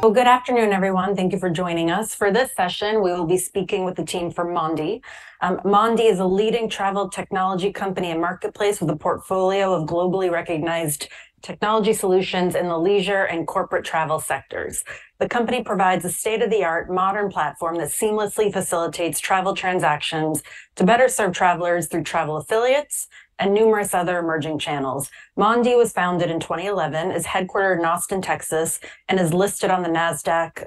Well, good afternoon, everyone. Thank you for joining us. For this session, we will be speaking with the team from Mondee. Mondee is a leading travel technology company and marketplace with a portfolio of globally recognized technology solutions in the leisure and corporate travel sectors. The company provides a state-of-the-art modern platform that seamlessly facilitates travel transactions to better serve travelers through travel affiliates and numerous other emerging channels. Mondee was founded in 2011, is headquartered in Austin, Texas, and is listed on the Nasdaq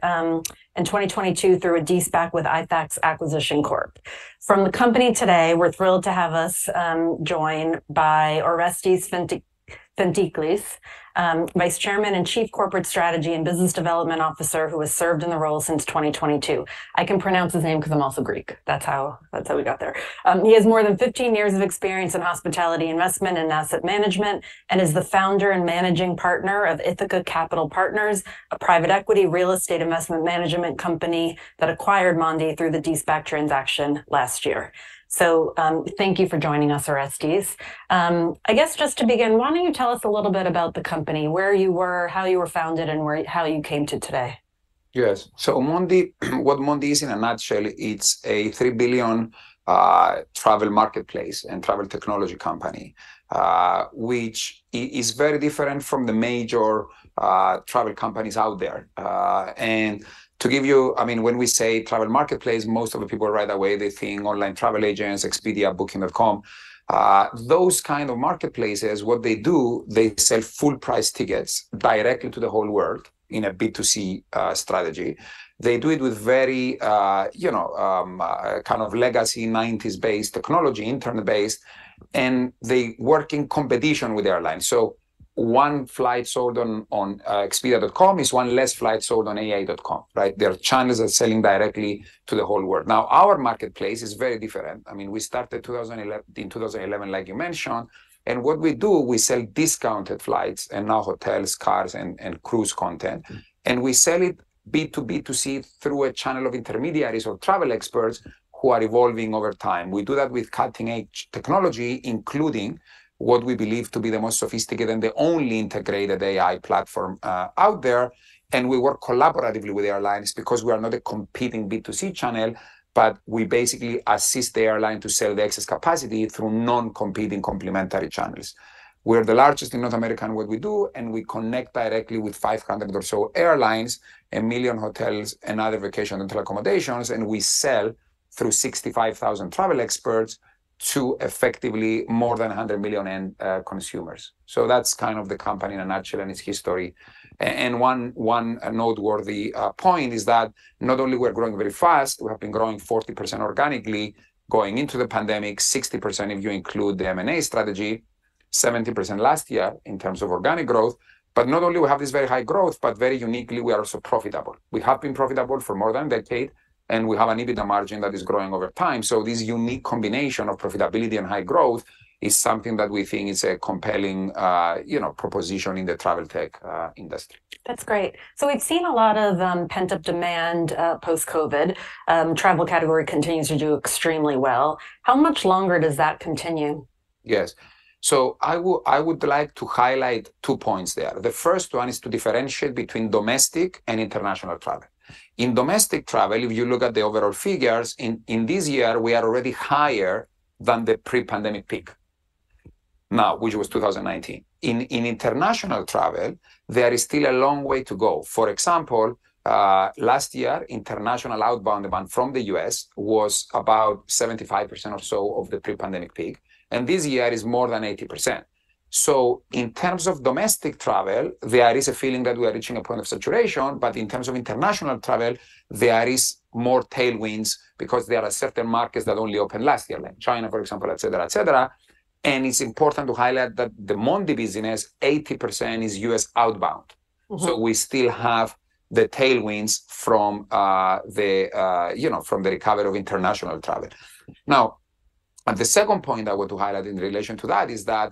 in 2022 through a de-SPAC with ITHAX Acquisition Corp. From the company today, we're thrilled to have us joined by Orestis Fintiklis, Vice Chairman and Chief Corporate Strategy and Business Development Officer, who has served in the role since 2022. I can pronounce his name 'cause I'm also Greek. That's how we got there. He has more than 15 years of experience in hospitality, investment, and asset management, and is the founder and managing partner of Ithaca Capital Partners, a private equity real estate investment management company that acquired Mondee through the de-SPAC transaction last year. So, thank you for joining us, Orestis. I guess just to begin, why don't you tell us a little bit about the company, where you were, how you were founded, and how you came to today? Yes. So Mondee, what Mondee is in a nutshell, it's a $3 billion travel marketplace and travel technology company, which is very different from the major travel companies out there. And to give you—I mean, when we say travel marketplace, most of the people, right away, they think online travel agents, Expedia, Booking.com. Those kind of marketplaces, what they do, they sell full price tickets directly to the whole world in a B2C strategy. They do it with very, you know, kind of legacy, nineties-based technology, internet-based, and they work in competition with airlines. So one flight sold on Expedia.com is one less flight sold on AA.com, right? Their channels are selling directly to the whole world. Now, our marketplace is very different. I mean, we started in 2011, like you mentioned, and what we do, we sell discounted flights and now hotels, cars, and cruise content, and we sell it B2B, B2C through a channel of intermediaries or travel experts who are evolving over time. We do that with cutting-edge technology, including what we believe to be the most sophisticated and the only integrated AI platform out there, and we work collaboratively with airlines because we are not a competing B2C channel, but we basically assist the airline to sell the excess capacity through non-competing complementary channels. We're the largest in North America in what we do, and we connect directly with 500 or so airlines, 1 million hotels, and other vacation and tour accommodations, and we sell through 65,000 travel experts to effectively more than 100 million end consumers. So that's kind of the company in a nutshell and its history. And one noteworthy point is that not only we're growing very fast, we have been growing 40% organically going into the pandemic, 60% if you include the M&A strategy, 70% last year in terms of organic growth. But not only we have this very high growth, but very uniquely, we are also profitable. We have been profitable for more than a decade, and we have an EBITDA margin that is growing over time. So this unique combination of profitability and high growth is something that we think is a compelling, you know, proposition in the travel tech industry. That's great. So we've seen a lot of pent-up demand post-COVID. Travel category continues to do extremely well. How much longer does that continue? Yes. So I would, I would like to highlight two points there. The first one is to differentiate between domestic and international travel. In domestic travel, if you look at the overall figures, in, in this year, we are already higher than the pre-pandemic peak, now, which was 2019. In, in international travel, there is still a long way to go. For example, last year, international outbound demand from the U.S. was about 75% or so of the pre-pandemic peak, and this year is more than 80%. So in terms of domestic travel, there is a feeling that we are reaching a point of saturation, but in terms of international travel, there is more tailwinds because there are certain markets that only opened last year, like China, for example, et cetera, et cetera. It's important to highlight that the Mondee business, 80% is U.S. outbound. Mm-hmm. So we still have the tailwinds from, you know, from the recovery of international travel. Now, and the second point I want to highlight in relation to that is that,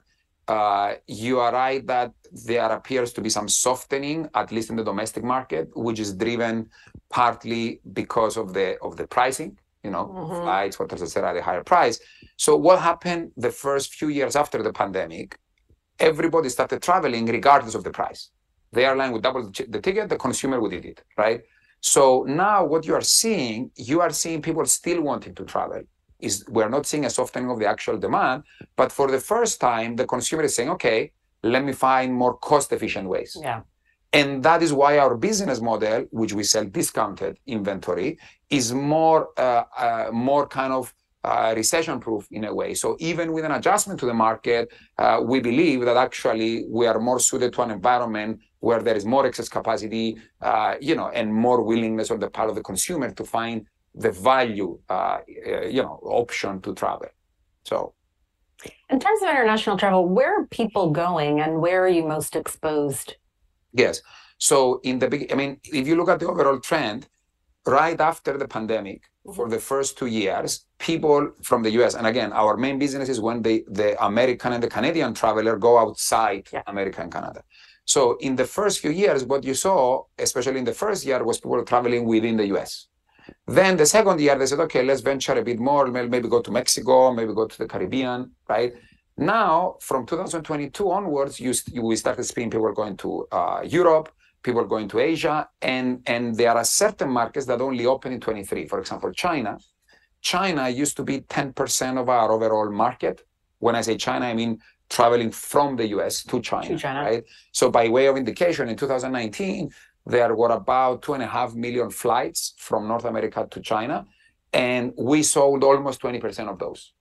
you are right, that there appears to be some softening, at least in the domestic market, which is driven partly because of the pricing, you know? Mm-hmm. Flights, what does it say are the higher price. So what happened the first few years after the pandemic, everybody started traveling regardless of the price. The airline would double the ticket, the consumer would eat it, right? So now what you are seeing, you are seeing people still wanting to travel. But we are not seeing a softening of the actual demand, but for the first time, the consumer is saying, "Okay, let me find more cost-efficient ways. Yeah. And that is why our business model, which we sell discounted inventory, is more kind of recession-proof in a way. So even with an adjustment to the market, we believe that actually we are more suited to an environment where there is more excess capacity, you know, and more willingness on the part of the consumer to find the value, you know, option to travel. So... In terms of international travel, where are people going, and where are you most exposed? Yes. So I mean, if you look at the overall trend, right after the pandemic- Mm-hmm... for the first two years, people from the U.S., and again, our main business is when the American and the Canadian traveler go outside- Yeah... America and Canada. So in the first few years, what you saw, especially in the first year, was people traveling within the U.S. Then the second year, they said, "Okay, let's venture a bit more. Maybe go to Mexico, maybe go to the Caribbean," right? Now, from 2022 onwards, we started seeing people going to Europe, people going to Asia, and there are certain markets that only opened in 2023. For example, China. China used to be 10% of our overall market.... when I say China, I mean traveling from the U.S. to China. To China. Right? So by way of indication, in 2019, there were about 2.5 million flights from North America to China, and we sold almost 20% of those.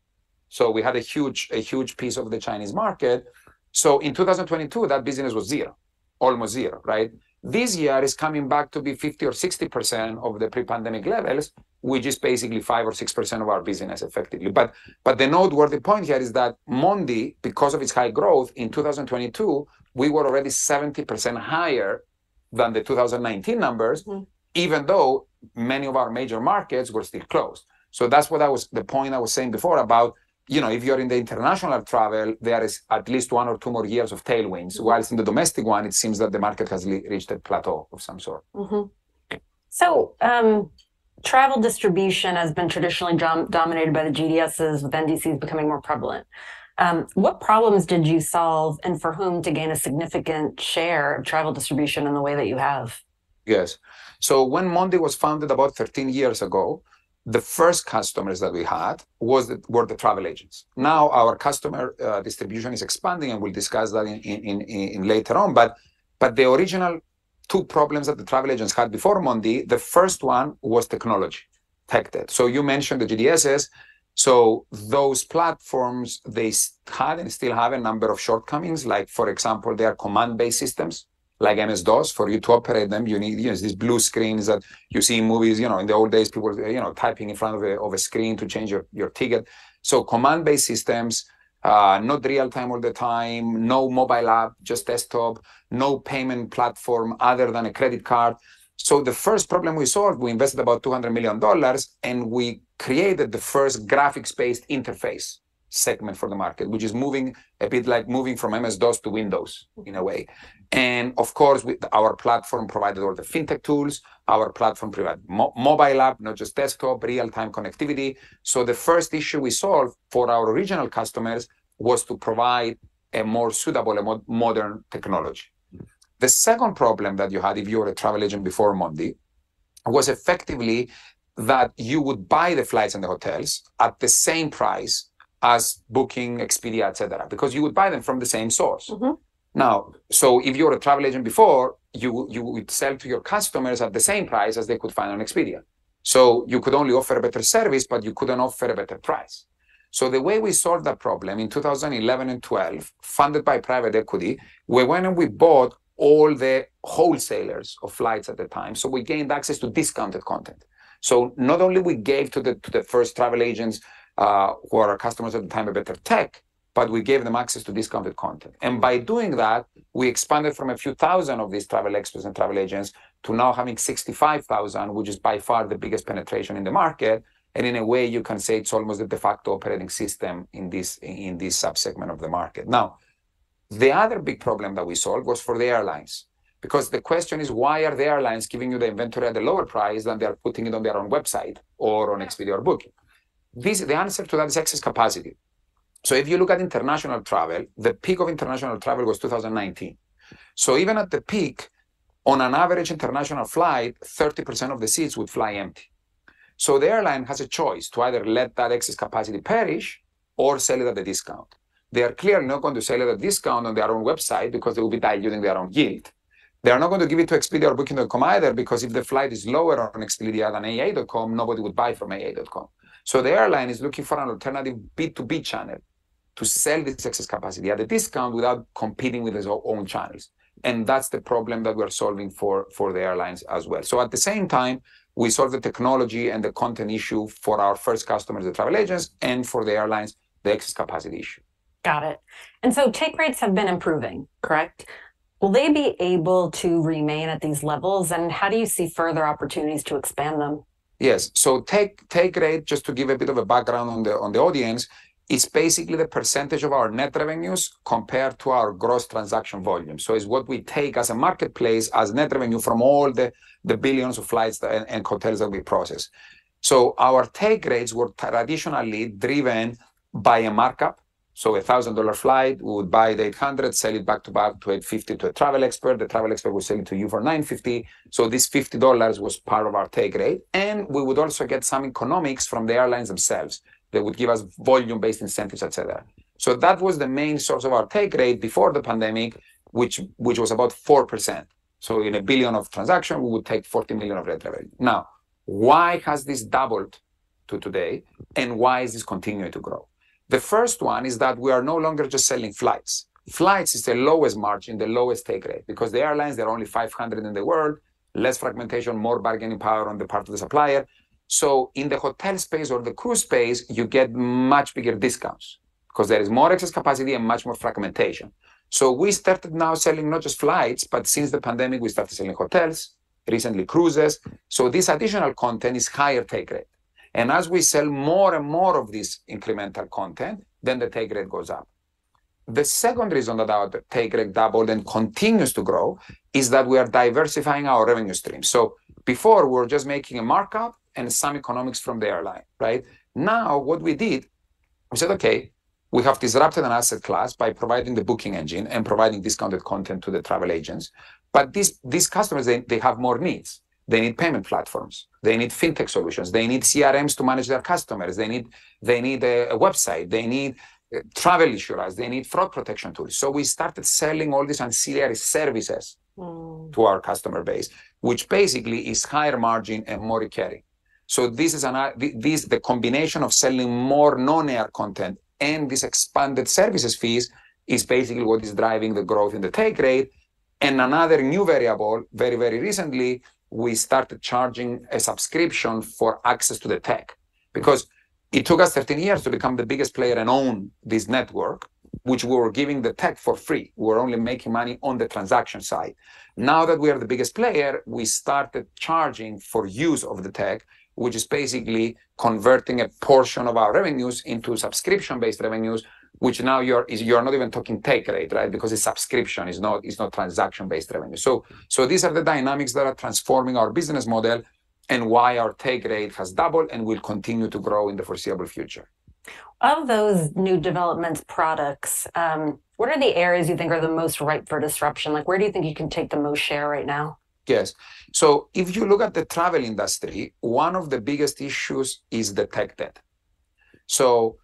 So we had a huge, a huge piece of the Chinese market. So in 2022, that business was zero. Almost zero, right? This year is coming back to be 50% or 60% of the pre-pandemic levels, which is basically 5% or 6% of our business effectively. But, but the noteworthy point here is that Mondee, because of its high growth in 2022, we were already 70% higher than the 2019 numbers- Mm. even though many of our major markets were still closed. So that's what I was, the point I was saying before about, you know, if you're in the international travel, there is at least one or two more years of tailwinds, whilst in the domestic one, it seems that the market has reached a plateau of some sort. Mm-hmm. So, travel distribution has been traditionally dominated by the GDSs, with NDC becoming more prevalent. What problems did you solve, and for whom to gain a significant share of travel distribution in the way that you have? Yes. So when Mondee was founded about 13 years ago, the first customers that we had were the travel agents. Now, our customer distribution is expanding, and we'll discuss that in later on. But the original two problems that the travel agents had before Mondee, the first one was technology, tech debt. So you mentioned the GDSs, so those platforms, they had and still have a number of shortcomings, like, for example, they are command-based systems, like MS-DOS. For you to operate them, you need, use these blue screens that you see in movies. You know, in the old days, people were, you know, typing in front of a screen to change your ticket. So command-based systems, not real time all the time, no mobile app, just desktop, no payment platform other than a credit card. The first problem we solved, we invested about $200 million, and we created the first graphics-based interface segment for the market, which is moving a bit like moving from MS-DOS to Windows, in a way. Mm. Of course, with our platform provided all the fintech tools, our platform provided mobile app, not just desktop, real-time connectivity. The first issue we solved for our original customers was to provide a more suitable and modern technology. The second problem that you had if you were a travel agent before Mondee was effectively that you would buy the flights and the hotels at the same price as Booking, Expedia, et cetera, because you would buy them from the same source. Mm-hmm. Now, so if you were a travel agent before, you would sell to your customers at the same price as they could find on Expedia. So you could only offer a better service, but you couldn't offer a better price. So the way we solved that problem in 2011 and 2012, funded by private equity, we went and we bought all the wholesalers of flights at the time, so we gained access to discounted content. So not only we gave to the first travel agents who were our customers at the time a better tech, but we gave them access to discounted content. By doing that, we expanded from a few thousand of these travel experts and travel agents to now having 65,000, which is by far the biggest penetration in the market, and in a way, you can say it's almost the de facto operating system in this, in this subsegment of the market. Now, the other big problem that we solved was for the airlines, because the question is: Why are the airlines giving you the inventory at a lower price than they are putting it on their own website or on Expedia or Booking? This, the answer to that is excess capacity. So if you look at international travel, the peak of international travel was 2019. So even at the peak, on an average international flight, 30% of the seats would fly empty. So the airline has a choice to either let that excess capacity perish or sell it at a discount. They are clearly not going to sell it at a discount on their own website because they will be diluting their own yield. They are not going to give it to Expedia or Booking.com either, because if the flight is lower on Expedia than AA.com, nobody would buy from AA.com. So the airline is looking for an alternative B2B channel to sell this excess capacity at a discount without competing with its own channels, and that's the problem that we are solving for, for the airlines as well. So at the same time, we solve the technology and the content issue for our first customers, the travel agents, and for the airlines, the excess capacity issue. Got it. Take rates have been improving, correct? Will they be able to remain at these levels, and how do you see further opportunities to expand them? Yes. So take rate, just to give a bit of a background on the audience, is basically the percentage of our net revenues compared to our gross transaction volume. So it's what we take as a marketplace, as net revenue from all the billions of flights and hotels that we process. So our take rates were traditionally driven by a markup, so a $1,000 flight, we would buy at $800, sell it back to $850 to a travel expert. The travel expert would sell it to you for $950. So this $50 was part of our take rate, and we would also get some economics from the airlines themselves. They would give us volume-based incentives, et cetera. So that was the main source of our take rate before the pandemic, which was about 4%. So in $1 billion of transaction, we would take $40 million of net revenue. Now, why has this doubled to today, and why is this continuing to grow? The first one is that we are no longer just selling flights. Flights is the lowest margin, the lowest take rate, because the airlines, there are only 500 in the world, less fragmentation, more bargaining power on the part of the supplier. So in the hotel space or the cruise space, you get much bigger discounts because there is more excess capacity and much more fragmentation. So we started now selling not just flights, but since the pandemic, we started selling hotels, recently, cruises. So this additional content is higher take rate. And as we sell more and more of this incremental content, then the take rate goes up. The second reason that our take rate doubled and continues to grow is that we are diversifying our revenue stream. So before, we were just making a markup and some economics from the airline, right? Now, what we did. We said, okay, we have disrupted an asset class by providing the booking engine and providing discounted content to the travel agents, but these, these customers, they, they have more needs. They need payment platforms, they need fintech solutions, they need CRMs to manage their customers, they need, they need a, a website, they need travel insurers, they need fraud protection tools. So we started selling all these ancillary services- Oh. to our customer base, which basically is higher margin and more recurring. So this is the combination of selling more non-air content and these expanded services fees is basically what is driving the growth in the take rate. And another new variable, very, very recently, we started charging a subscription for access to the tech. Because it took us 13 years to become the biggest player and own this network, which we were giving the tech for free. We were only making money on the transaction side. Now that we are the biggest player, we started charging for use of the tech, which is basically converting a portion of our revenues into subscription-based revenues, which now you are not even talking take rate, right? Because it's subscription, it's not, it's not transaction-based revenue. So, these are the dynamics that are transforming our business model and why our take rate has doubled and will continue to grow in the foreseeable future. Of those new development products, what are the areas you think are the most ripe for disruption? Like, where do you think you can take the most share right now? Yes. So if you look at the travel industry, one of the biggest issues is the tech debt. So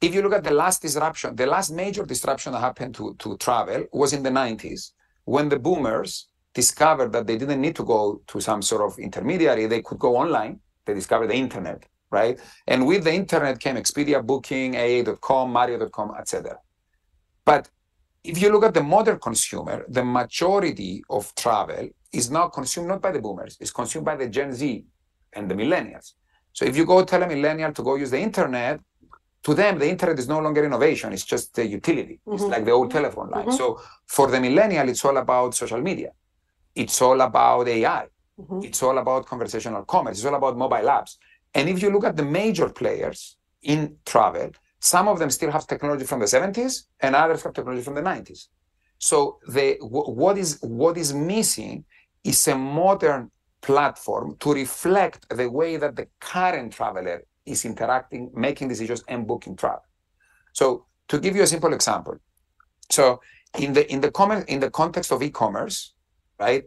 if you look at the last disruption, the last major disruption that happened to travel was in the nineties, when the boomers discovered that they didn't need to go to some sort of intermediary, they could go online. They discovered the Internet, right? And with the Internet came Expedia, Booking, aa.com, Marriott.com, et cetera. But if you look at the modern consumer, the majority of travel is now consumed not by the boomers, it's consumed by the Gen Z and the millennials. So if you go tell a millennial to go use the Internet, to them, the Internet is no longer innovation, it's just a utility. Mm-hmm. It's like the old telephone line. Mm-hmm. For the millennial, it's all about social media, it's all about AI. Mm-hmm. It's all about conversational commerce. It's all about mobile apps. And if you look at the major players in travel, some of them still have technology from the 1970s, and others have technology from the 1990s. So they... what is missing is a modern platform to reflect the way that the current traveler is interacting, making decisions, and booking travel. So to give you a simple example, so in the, in the com... in the context of e-commerce, right,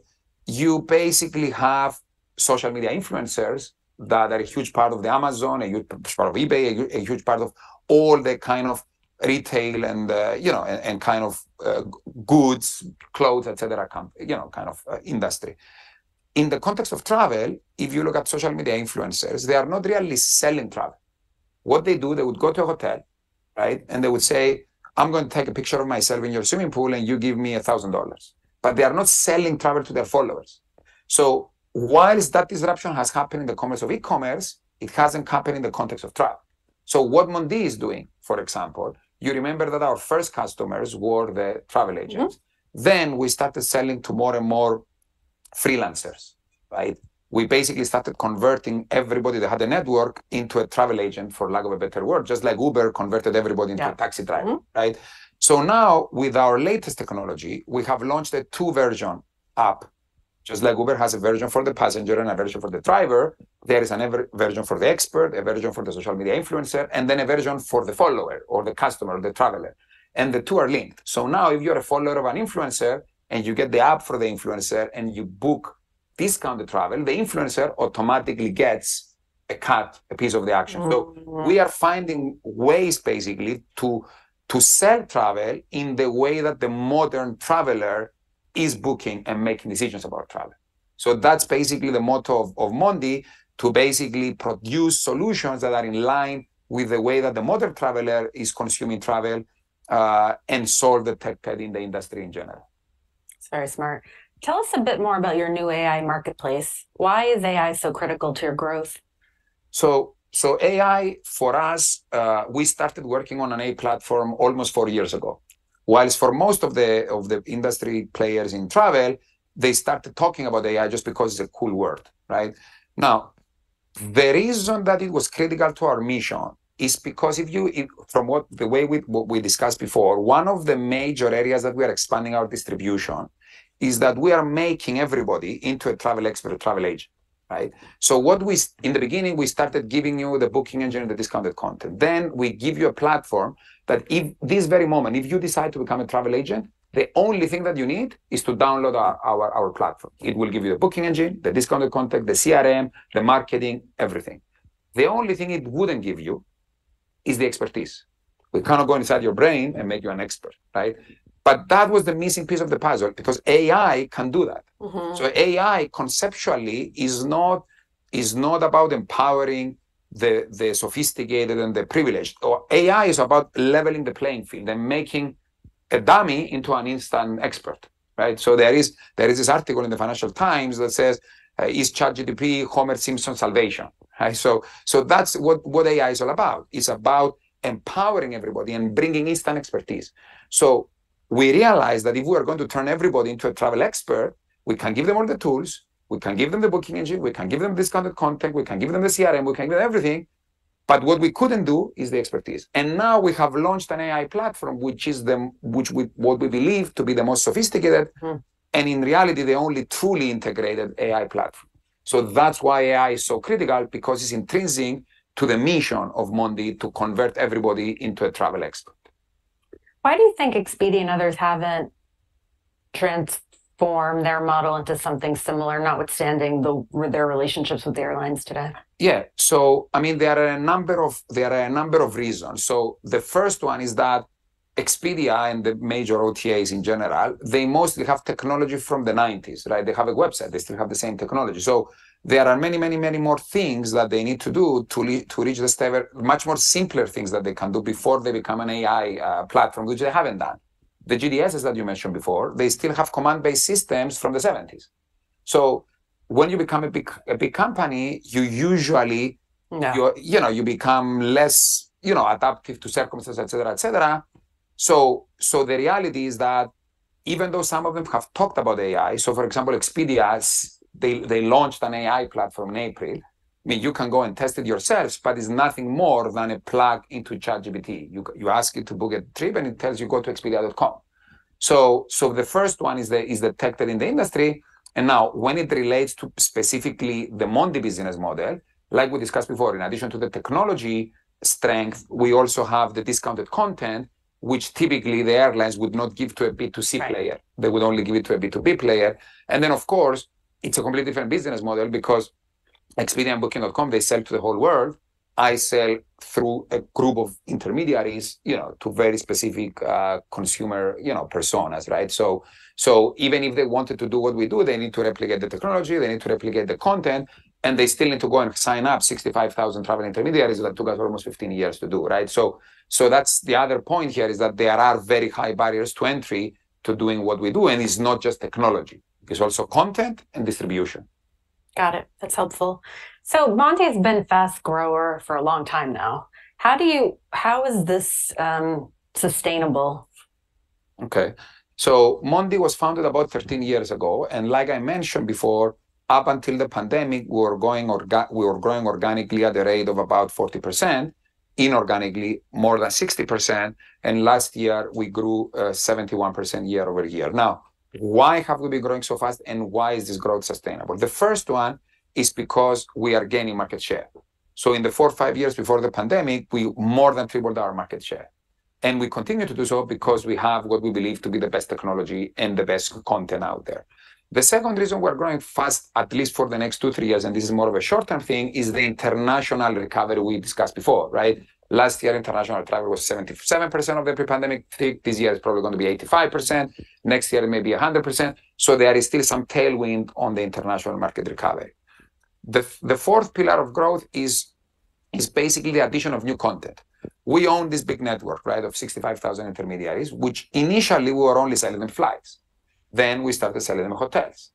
you basically have social media influencers that are a huge part of the Amazon, a huge part of eBay, a huge part of all the kind of retail and, you know, and kind of goods, clothes, et cetera, you know, kind of industry. In the context of travel, if you look at social media influencers, they are not really selling travel. What they do, they would go to a hotel, right, and they would say, "I'm going to take a picture of myself in your swimming pool, and you give me $1,000." But they are not selling travel to their followers. So while that disruption has happened in the context of e-commerce, it hasn't happened in the context of travel. So what Mondee is doing, for example, you remember that our first customers were the travel agents. Mm-hmm. Then we started selling to more and more freelancers, right? We basically started converting everybody that had a network into a travel agent, for lack of a better word, just like Uber converted everybody- Yeah... into a taxi driver. Mm-hmm. Right? So now, with our latest technology, we have launched a 2 version app. Just like Uber has a version for the passenger and a version for the driver, there is an expert version for the expert, a version for the social media influencer, and then a version for the follower or the customer, the traveler, and the two are linked. So now, if you're a follower of an influencer and you get the app for the influencer and you book discounted travel, the influencer automatically gets a cut, a piece of the action. Mm, wow. We are finding ways basically to sell travel in the way that the modern traveler is booking and making decisions about travel. So that's basically the motto of Mondee, to basically produce solutions that are in line with the way that the modern traveler is consuming travel, and solve the tech debt in the industry in general. That's very smart. Tell us a bit more about your new AI marketplace. Why is AI so critical to your growth? So, AI, for us, we started working on an AI platform almost four years ago. While for most of the industry players in travel, they started talking about AI just because it's a cool word, right? Now, the reason that it was critical to our mission is because from what we discussed before, one of the major areas that we are expanding our distribution is that we are making everybody into a travel expert or travel agent, right? So what we in the beginning, we started giving you the booking engine and the discounted content. Then we give you a platform that if, this very moment, if you decide to become a travel agent, the only thing that you need is to download our platform. It will give you the booking engine, the discounted content, the CRM, the marketing, everything. The only thing it wouldn't give you is the expertise. We cannot go inside your brain and make you an expert, right? But that was the missing piece of the puzzle, because AI can do that. Mm-hmm. So AI, conceptually, is not about empowering the sophisticated and the privileged. Or AI is about leveling the playing field and making a dummy into an instant expert, right? So there is this article in the Financial Times that says, "Is ChatGPT Homer Simpson's salvation?" Right? So that's what AI is all about. It's about empowering everybody and bringing instant expertise. So we realized that if we are going to turn everybody into a travel expert, we can give them all the tools, we can give them the booking engine, we can give them discounted content, we can give them the CRM, we can give everything, but what we couldn't do is the expertise. And now we have launched an AI platform, which we believe to be the most sophisticated- Hmm... and in reality, the only truly integrated AI platform. So that's why AI is so critical, because it's intrinsic to the mission of Mondee to convert everybody into a travel expert. Why do you think Expedia and others haven't transformed their model into something similar, notwithstanding their relationships with the airlines today? Yeah. So I mean, there are a number of reasons. So the first one is that Expedia and the major OTAs in general, they mostly have technology from the nineties, right? They have a website. They still have the same technology. So there are many, many, many more things that they need to do to reach this level, much more simpler things that they can do before they become an AI platform, which they haven't done. The GDSs that you mentioned before, they still have command-based systems from the seventies. So when you become a big company, you usually- Yeah... you know, you become less, you know, adaptive to circumstances, etc., etc. So the reality is that even though some of them have talked about AI, so for example, Expedia has—they launched an AI platform in April. I mean, you can go and test it yourselves, but it's nothing more than a plug into ChatGPT. You ask it to book a trip, and it tells you go to expedia.com. So the first one is the tech debt in the industry, and now when it relates to specifically the Mondee business model, like we discussed before, in addition to the technology strength, we also have the discounted content, which typically the airlines would not give to a B2C player. Right. They would only give it to a B2B player. And then, of course, it's a completely different business model because Expedia and Booking.com, they sell to the whole world. I sell through a group of intermediaries, you know, to very specific, consumer, you know, personas, right? So, so even if they wanted to do what we do, they need to replicate the technology, they need to replicate the content, and they still need to go and sign up 65,000 travel intermediaries that took us almost 15 years to do, right? So, so that's the other point here, is that there are very high barriers to entry to doing what we do. And it's not just technology. It's also content and distribution. Got it. That's helpful. So Mondee has been a fast grower for a long time now. How is this sustainable? Okay. So Mondee was founded about 13 years ago, and like I mentioned before, up until the pandemic, we were growing organically at a rate of about 40%, inorganically more than 60%, and last year we grew 71% year-over-year. Now, why have we been growing so fast, and why is this growth sustainable? The first one is because we are gaining market share. So in the four to five years before the pandemic, we more than tripled our market share, and we continue to do so because we have what we believe to be the best technology and the best content out there. The second reason we're growing fast, at least for the next two to three years, and this is more of a short-term thing, is the international recovery we discussed before, right? Last year, international travel was 77% of the pre-pandemic peak. This year, it's probably going to be 85%. Next year, it may be 100%. So there is still some tailwind on the international market recovery. The fourth pillar of growth is basically the addition of new content. We own this big network, right, of 65,000 intermediaries, which initially we were only selling them flights. Then we started selling them hotels,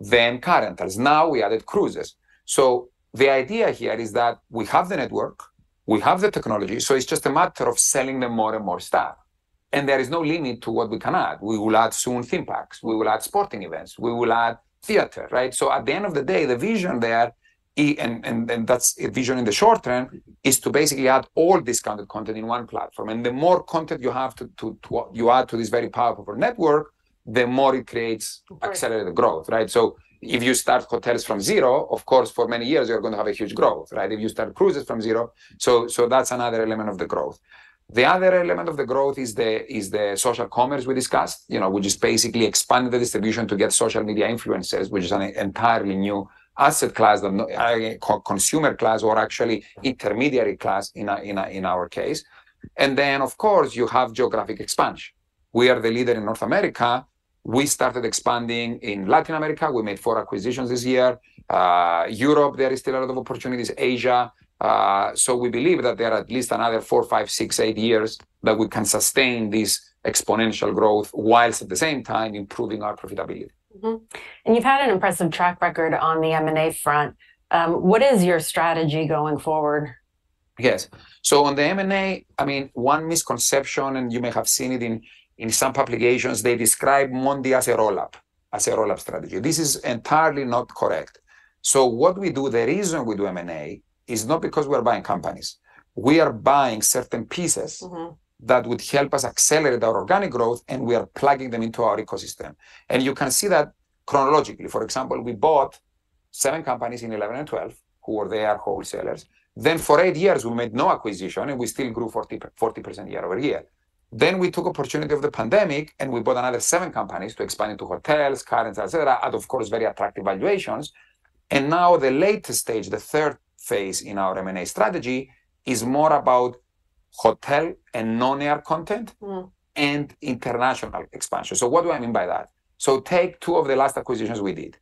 then car rentals. Now we added cruises. So the idea here is that we have the network, we have the technology, so it's just a matter of selling them more and more stuff, and there is no limit to what we can add. We will add soon theme parks. We will add sporting events. We will add theater, right? At the end of the day, the vision there, I-- and that's a vision in the short term, is to basically add all discounted content in one platform. The more content you have to, to-- you add to this very powerful network, the more it creates- Right... accelerated growth, right? So if you start hotels from zero, of course, for many years you're going to have a huge growth, right? If you start cruises from zero. So that's another element of the growth. The other element of the growth is the social commerce we discussed, you know, which is basically expanding the distribution to get social media influencers, which is an entirely new asset class, consumer class or actually intermediary class in our, in our, in our case. And then, of course, you have geographic expansion. We are the leader in North America. We started expanding in Latin America. We made four acquisitions this year. Europe, there is still a lot of opportunities. Asia. So we believe that there are at least another four, five, six, eight years that we can sustain this exponential growth while at the same time improving our profitability. Mm-hmm. You've had an impressive track record on the M&A front. What is your strategy going forward? Yes. So on the M&A, I mean, one misconception, and you may have seen it in, in some publications, they describe Mondee as a roll-up, as a roll-up strategy. This is entirely not correct. So what we do, the reason we do M&A is not because we are buying companies. We are buying certain pieces- Mm-hmm... that would help us accelerate our organic growth, and we are plugging them into our ecosystem. And you can see that chronologically. For example, we bought seven companies in 2011 and 2012, who were their wholesalers. Then for eight years, we made no acquisition, and we still grew 40%, 40% year-over-year. Then we took opportunity of the pandemic, and we bought another seven companies to expand into hotels, cars, etc., at, of course, very attractive valuations. And now the latest stage, the third phase in our M&A strategy, is more about hotel and non-air content- Mm... and international expansion. So what do I mean by that? So take two of the last acquisitions we did.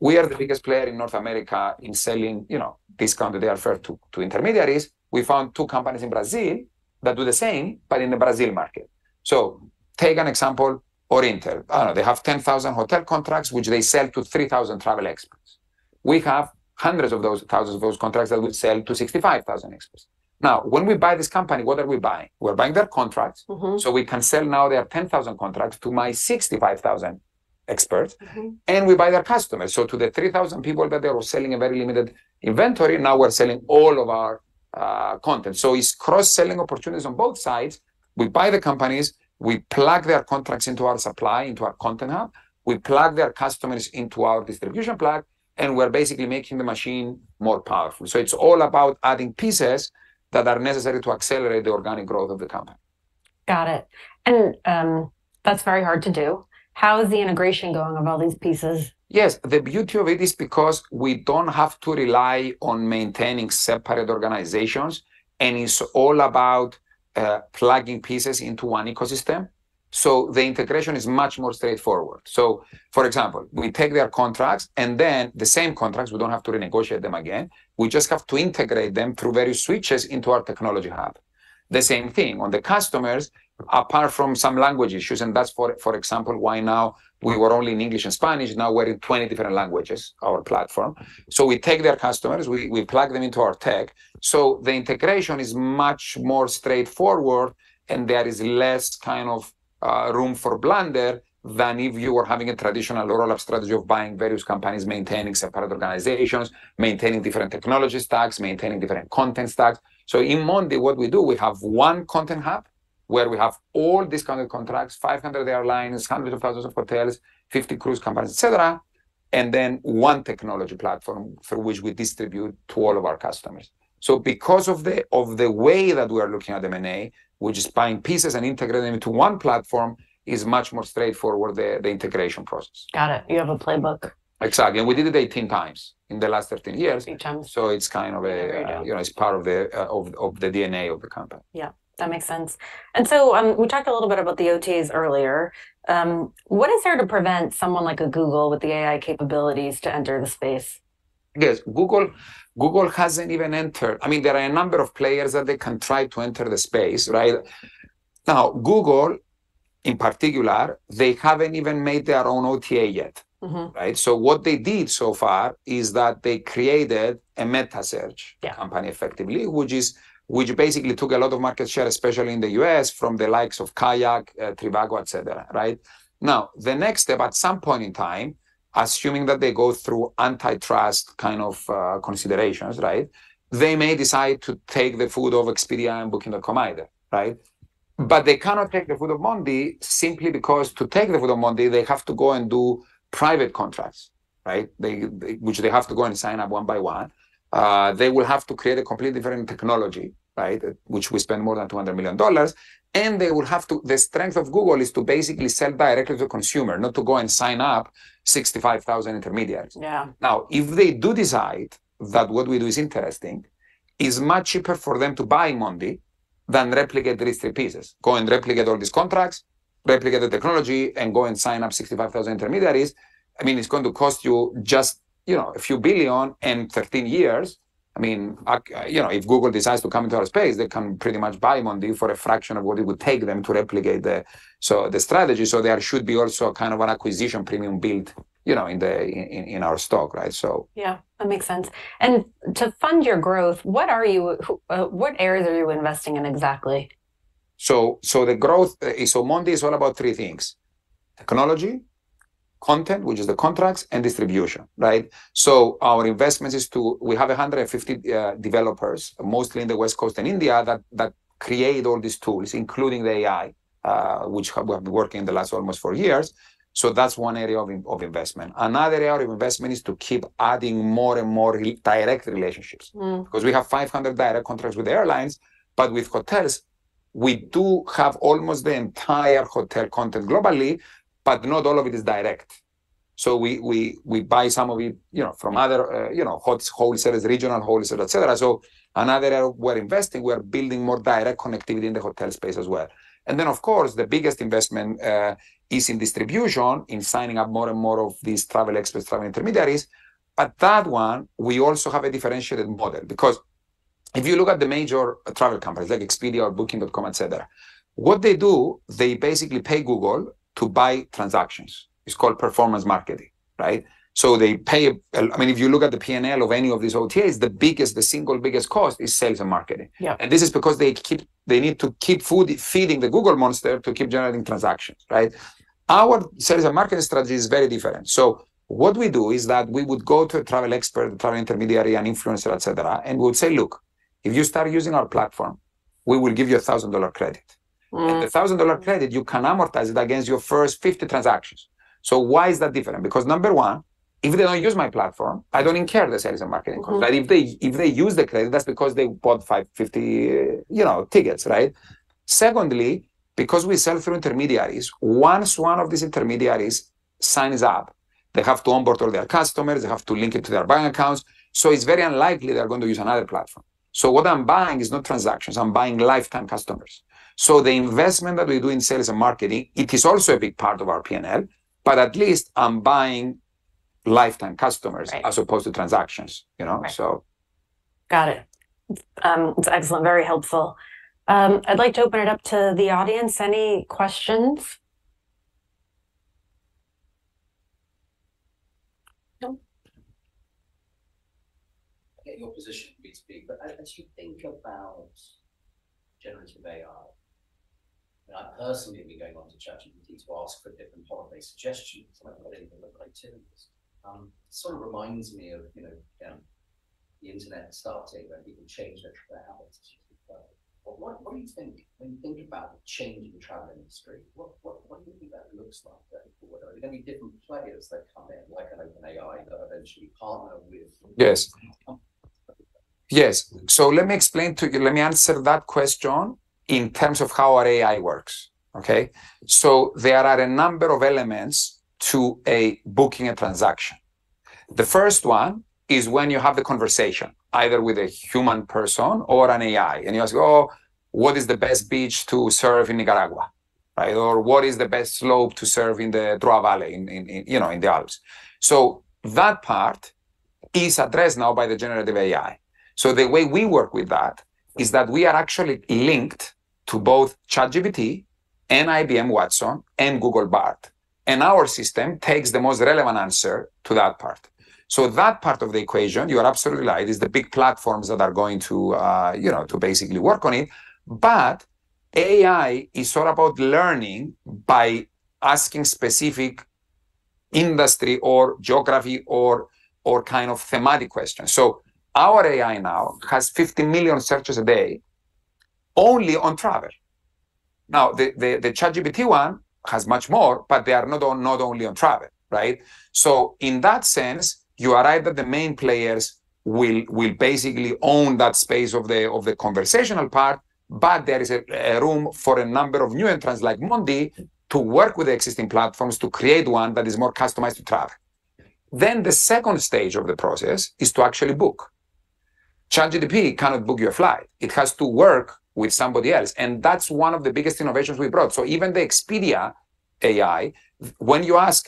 We are the biggest player in North America in selling, you know, discounted airfare to, to intermediaries. We found two companies in Brazil that do the same, but in the Brazil market. So take an example, Orinter. They have 10,000 hotel contracts, which they sell to 3,000 travel experts. We have hundreds of those, thousands of those contracts that we sell to 65,000 experts. Now, when we buy this company, what are we buying? We're buying their contracts- Mm-hmm... so we can sell now their 10,000 contracts to my 65,000 experts. Mm-hmm. And we buy their customers. So to the 3,000 people that they were selling a very limited inventory, now we're selling all of our content. So it's cross-selling opportunities on both sides.... We buy the companies, we plug their contracts into our supply, into our content hub, we plug their customers into our distribution plug, and we're basically making the machine more powerful. So it's all about adding pieces that are necessary to accelerate the organic growth of the company. Got it. That's very hard to do. How is the integration going of all these pieces? Yes, the beauty of it is because we don't have to rely on maintaining separate organizations, and it's all about, plugging pieces into one ecosystem, so the integration is much more straightforward. So, for example, we take their contracts and then the same contracts, we don't have to renegotiate them again, we just have to integrate them through various switches into our technology hub. The same thing on the customers, apart from some language issues, and that's for, for example, why now we were only in English and Spanish, now we're in 20 different languages, our platform. So we take their customers, we, we plug them into our tech. So the integration is much more straightforward, and there is less kind of room for blunder than if you were having a traditional roll-up strategy of buying various companies, maintaining separate organizations, maintaining different technology stacks, maintaining different content stacks. So in Mondee, what we do, we have one content hub where we have all these kind of contracts, 500 airlines, hundreds of thousands of hotels, 50 cruise companies, et cetera, and then one technology platform through which we distribute to all of our customers. So because of the way that we are looking at M&A, which is buying pieces and integrating them into one platform, is much more straightforward, the integration process. Got it. You have a playbook. Exactly. We did it 18x in the last 13 years. 18x. It's kind of a- Very done. You know, it's part of the DNA of the company. Yeah, that makes sense. We talked a little bit about the OTAs earlier. What is there to prevent someone like a Google with the AI capabilities to enter the space? Yes, Google, Google hasn't even entered. I mean, there are a number of players that they can try to enter the space, right? Now, Google, in particular, they haven't even made their own OTA yet. Mm-hmm. Right? So what they did so far is that they created a meta search- Yeah... company, effectively, which basically took a lot of market share, especially in the U.S., from the likes of Kayak, Trivago, et cetera. Right? Now, the next step, at some point in time, assuming that they go through antitrust kind of considerations, right? They may decide to take the feed of Expedia and Booking.com either, right? But they cannot take the feed of Mondee simply because to take the feed of Mondee, they have to go and do private contracts, right? Which they have to go and sign up one by one. They will have to create a completely different technology, right? Which we spend more than $200 million, and they will have to-- the strength of Google is to basically sell directly to the consumer, not to go and sign up 65,000 intermediaries. Yeah. Now, if they do decide that what we do is interesting, it's much cheaper for them to buy Mondee than replicate these three pieces. Go and replicate all these contracts, replicate the technology, and go and sign up 65,000 intermediaries. I mean, it's going to cost you just, you know,a few billion and 13 years. I mean, you know, if Google decides to come into our space, they can pretty much buy Mondee for a fraction of what it would take them to replicate the, so the strategy. So there should be also a kind of an acquisition premium built, you know, in the, in, in, in our stock, right? So- Yeah, that makes sense. To fund your growth, what areas are you investing in exactly? So the growth, so Mondee is all about three things: technology, content, which is the contracts, and distribution, right? So our investments is to we have 150 developers, mostly in the West Coast and India, that create all these tools, including the AI, which have been working in the last almost four years. So that's one area of investment. Another area of investment is to keep adding more and more direct relationships. Mm. Because we have 500 direct contracts with airlines, but with hotels, we do have almost the entire hotel content globally, but not all of it is direct. So we buy some of it, you know, from other, you know, wholesalers, regional wholesalers, et cetera. So another area we're investing, we're building more direct connectivity in the hotel space as well. And then, of course, the biggest investment is in distribution, in signing up more and more of these travel experts, travel intermediaries. But that one, we also have a differentiated model. Because if you look at the major travel companies like Expedia or Booking.com, et cetera, what they do, they basically pay Google to buy transactions. It's called performance marketing, right? So they pay... I mean, if you look at the P&L of any of these OTAs, the biggest, the single biggest cost is sales and marketing. Yeah. This is because they need to keep feeding the Google monster to keep generating transactions, right? Our sales and marketing strategy is very different. So what we do is that we would go to a travel expert, travel intermediary, an influencer, et cetera, and we would say, "Look, if you start using our platform, we will give you a $1,000 credit. Mm. The $1,000 credit, you can amortize it against your first 50 transactions. So why is that different? Because number one, if they don't use my platform, I don't even care the sales and marketing cost. Mm-hmm. But if they, if they use the credit, that's because they bought 550, you know, tickets, right? Secondly, because we sell through intermediaries, once one of these intermediaries signs up, they have to onboard all their customers, they have to link it to their buying accounts, so it's very unlikely they're going to use another platform. So what I'm buying is not transactions, I'm buying lifetime customers. So the investment that we do in sales and marketing, it is also a big part of our P&L, but at least I'm buying lifetime customers. Right... as opposed to transactions, you know? Right. So. Got it. It's excellent, very helpful. I'd like to open it up to the audience. Any questions? No. In your position, B2B, but as you think about generative AI, and I've personally been going on to ChatGPT to ask for different holiday suggestions and other activities, sort of reminds me of, you know, the internet started and people changed their travel habits. But what, what do you think when you think about changing the travel industry? What, what, what do you think that looks like then? Are there gonna be different players that come in, like an OpenAI that eventually partner with- Yes. Yes. So let me explain to you, let me answer that question in terms of how our AI works, okay? So there are a number of elements to booking a transaction. The first one is when you have the conversation, either with a human person or an AI, and you ask, "Oh, what is the best beach to surf in Nicaragua?" Right? Or, "What is the best slope to surf in Les Trois Vallées, you know, in the Alps?" So that part is addressed now by the generative AI. So the way we work with that is that we are actually linked to both ChatGPT, and IBM Watson, and Google Bard, and our system takes the most relevant answer to that part. So that part of the equation, you are absolutely right, is the big platforms that are going to, you know, to basically work on it. But AI is all about learning by asking specific industry or geography or kind of thematic questions. So our AI now has 50 million searches a day, only on travel. Now, the ChatGPT one has much more, but they are not on, not only on travel, right? So in that sense, you are right that the main players will basically own that space of the conversational part, but there is a room for a number of new entrants, like Mondee, to work with the existing platforms to create one that is more customized to travel. Then the second stage of the process is to actually book. ChatGPT cannot book you a flight. It has to work with somebody else, and that's one of the biggest innovations we brought. So even the Expedia AI, when you ask,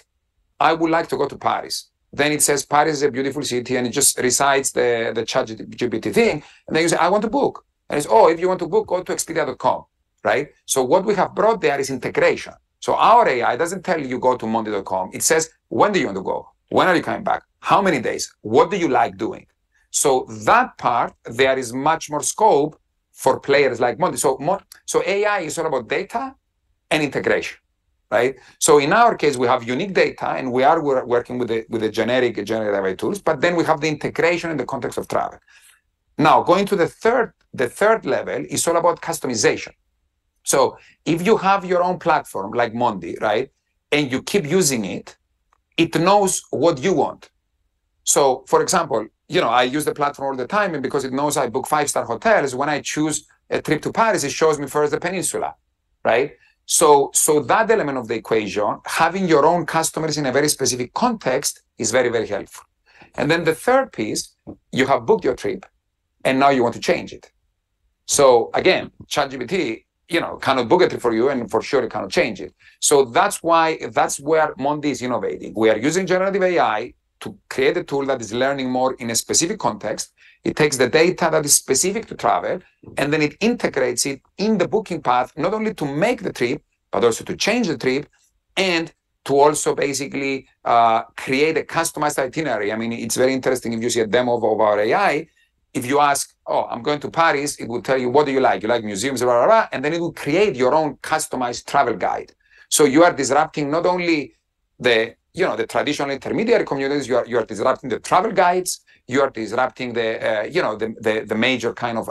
"I would like to go to Paris," then it says, "Paris is a beautiful city," and it just recites the ChatGPT thing. And then you say, "I want to book." And it's, "Oh, if you want to book, go to Expedia.com," right? So what we have brought there is integration. So our AI doesn't tell you, "Go to Mondee.com." It says, "When do you want to go? When are you coming back? How many days? What do you like doing?" So that part, there is much more scope for players like Mondee. So AI is all about data and integration, right? So in our case, we have unique data, and we are working with the generic generative AI tools, but then we have the integration in the context of travel. Now, going to the third... The third level is all about customization. So if you have your own platform, like Mondee, right? And you keep using it, it knows what you want. So, for example, you know, I use the platform all the time, and because it knows I book five-star hotels, when I choose a trip to Paris, it shows me first the Peninsula, right? So, so that element of the equation, having your own customers in a very specific context, is very, very helpful. And then the third piece, you have booked your trip, and now you want to change it. So again, ChatGPT, you know, cannot book it for you, and for sure, it cannot change it. So that's why, that's where Mondee is innovating. We are using generative AI to create a tool that is learning more in a specific context. It takes the data that is specific to travel, and then it integrates it in the booking path, not only to make the trip, but also to change the trip and to also basically create a customized itinerary. I mean, it's very interesting if you see a demo of our AI. If you ask, "Oh, I'm going to Paris," it will tell you: "What do you like? You like museums, ra, ra, ra," and then it will create your own customized travel guide. So you are disrupting not only the, you know, the traditional intermediary communities, you are, you are disrupting the travel guides, you are disrupting the, you know, the, the, the major kind of,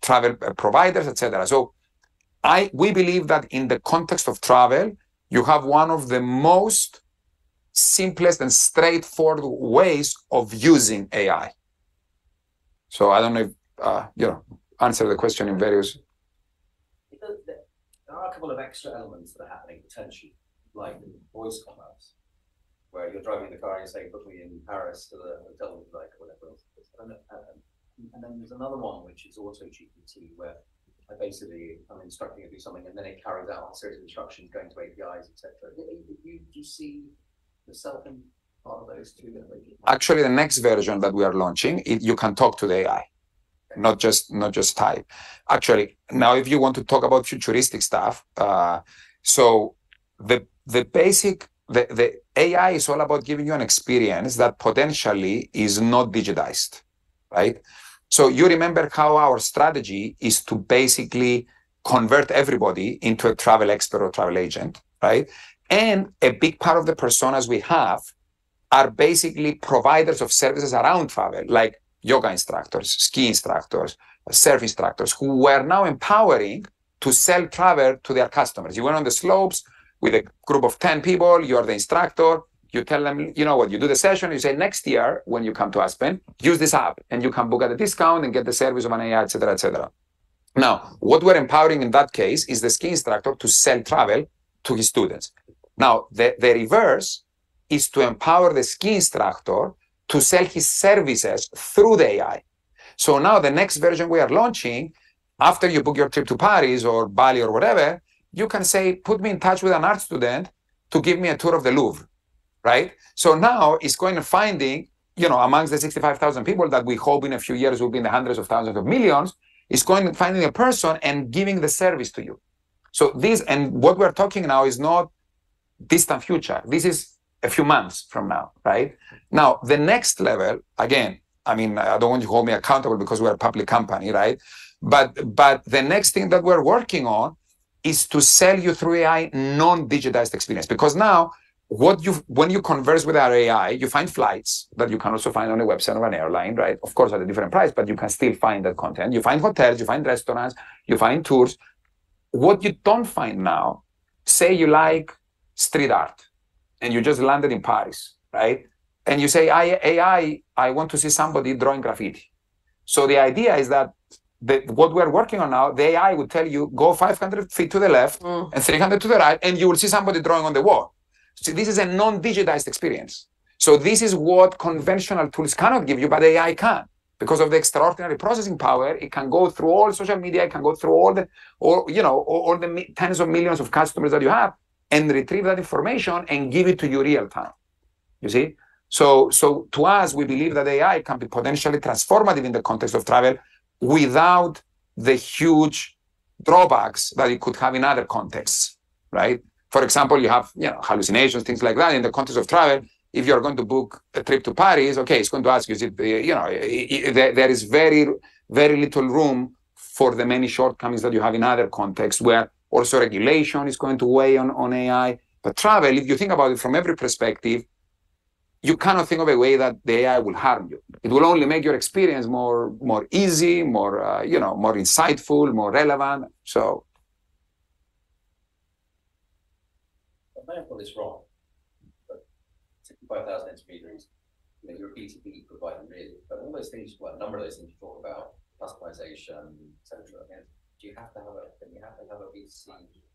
travel providers, et cetera. So I—we believe that in the context of travel, you have one of the most simplest and straightforward ways of using AI. So I don't know if, you know, answer the question in various- There are a couple of extra elements that are happening, potentially, like voice commands, where you're driving the car, and you say, "Book me in Paris to the hotel," like, whatever else. And then there's another one, which is also GPT, where basically I'm instructing it to do something, and then it carries out a series of instructions, going to APIs, et cetera. Do you see yourself in all of those too then? Actually, the next version that we are launching, you can talk to the AI, not just type. Actually, now, if you want to talk about futuristic stuff, so the AI is all about giving you an experience that potentially is not digitized, right? So you remember how our strategy is to basically convert everybody into a travel expert or travel agent, right? And a big part of the personas we have are basically providers of services around travel, like yoga instructors, ski instructors, surf instructors, who we're now empowering to sell travel to their customers. You went on the slopes with a group of 10 people, you are the instructor, you tell them, "You know what? You do the session," you say, "Next year, when you come to Aspen, use this app, and you can book at a discount and get the service of an AI," et cetera, et cetera. Now, what we're empowering in that case is the ski instructor to sell travel to his students. Now, the reverse is to empower the ski instructor to sell his services through the AI. So now, the next version we are launching, after you book your trip to Paris or Bali or whatever, you can say, "Put me in touch with an art student to give me a tour of the Louvre," right? So now it's going to finding, you know, amongst the 65,000 people that we hope in a few years will be in the hundreds of thousands of millions, is going to finding a person and giving the service to you. So this and what we're talking now is not distant future. This is a few months from now, right? Now, the next level, again, I mean, I don't want you to hold me accountable because we're a public company, right? But the next thing that we're working on is to sell you through AI non-digitized experience. Because now what you've when you converse with our AI, you find flights, that you can also find on the website of an airline, right? Of course, at a different price, but you can still find that content. You find hotels, you find restaurants, you find tours. What you don't find now, say, you like street art, and you just landed in Paris, right? You say, "I, AI, I want to see somebody drawing graffiti." So the idea is that the, what we are working on now, the AI will tell you, "Go 500 feet to the left- Mm. - and 300 to the right, and you will see somebody drawing on the wall. So this is a non-digitized experience. So this is what conventional tools cannot give you, but AI can. Because of the extraordinary processing power, it can go through all social media, it can go through all the, you know, all the tens of millions of customers that you have, and retrieve that information and give it to you real time. You see? So, so to us, we believe that AI can be potentially transformative in the context of travel without the huge drawbacks that it could have in other contexts, right? For example, you have, you know, hallucinations, things like that. In the context of travel, if you're going to book a trip to Paris, okay, it's going to ask you, you know, there is very, very little room for the many shortcomings that you have in other contexts where also regulation is going to weigh on, on AI. But travel, if you think about it from every perspective, you cannot think of a way that the AI will harm you. It will only make your experience more, more easy, more, you know, more insightful, more relevant. So- I might have got this wrong, but 65,000 intermediaries, then your B2B providing really. But all those things, well, a number of those things you thought about, customization, et cetera. Again, do you have to have a... Do you have to have a B2C offering as well?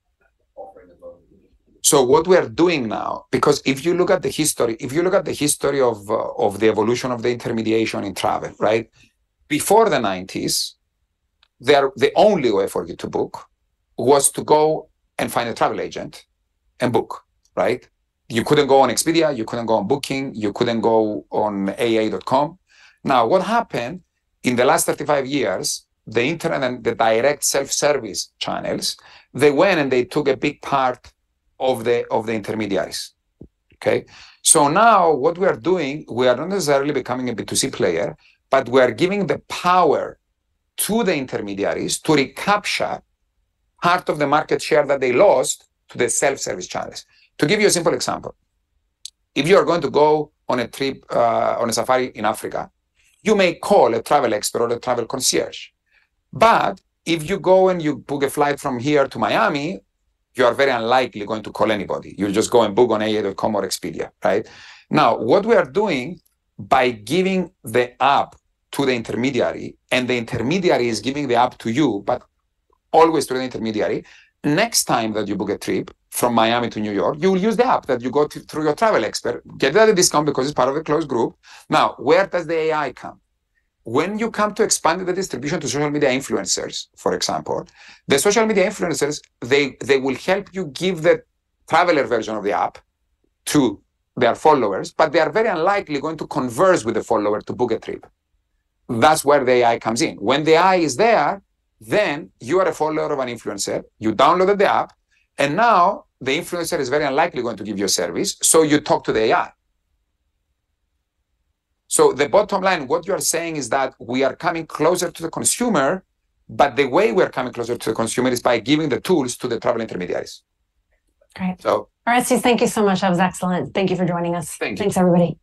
So what we are doing now, because if you look at the history, if you look at the history of the evolution of the intermediation in travel, right? Before the nineties, the only way for you to book was to go and find a travel agent and book, right? You couldn't go on Expedia, you couldn't go on Booking, you couldn't go on aa.com. Now, what happened in the last 35 years, the internet and the direct self-service channels, they went and they took a big part of the intermediaries, okay? So now what we are doing, we are not necessarily becoming a B2C player, but we are giving the power to the intermediaries to recapture part of the market share that they lost to the self-service channels. To give you a simple example, if you are going to go on a trip on a safari in Africa, you may call a travel expert or a travel concierge. But if you go and you book a flight from here to Miami, you are very unlikely going to call anybody. You'll just go and book on aa.com or Expedia, right? Now, what we are doing by giving the app to the intermediary, and the intermediary is giving the app to you, but always through an intermediary, next time that you book a trip from Miami to New York, you will use the app that you got through your travel expert, get the other discount because it's part of a closed group. Now, where does the AI come? When you come to expand the distribution to social media influencers, for example, the social media influencers, they will help you give the traveler version of the app to their followers, but they are very unlikely going to converse with the follower to book a trip. That's where the AI comes in. When the AI is there, then you are a follower of an influencer, you downloaded the app, and now the influencer is very unlikely going to give you a service, so you talk to the AI. So the bottom line, what you are saying is that we are coming closer to the consumer, but the way we are coming closer to the consumer is by giving the tools to the travel intermediaries. Great. So- Orestis, thank you so much. That was excellent. Thank you for joining us. Thank you. Thanks, everybody.